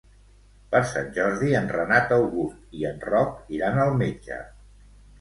Per Sant Jordi en Renat August i en Roc iran al metge.